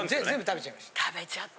食べちゃった。